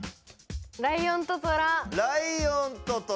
ライオンとトラ。